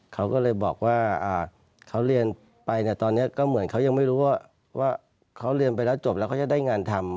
เขาก็เลยบอกว่าเขาเรียนไปเนี่ยตอนนี้ก็เหมือนเขายังไม่รู้ว่าเขาเรียนไปแล้วจบแล้วเขาจะได้งานทำ